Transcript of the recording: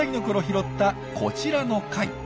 拾ったこちらの貝。